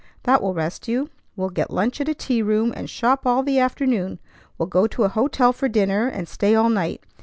That will rest you. We'll get lunch at a tea room, and shop all the afternoon. We'll go to a hotel for dinner, and stay all night.